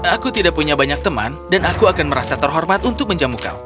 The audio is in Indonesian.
aku tidak punya banyak teman dan aku akan merasa terhormat untuk menjamu